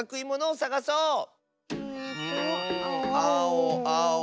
んあおあお。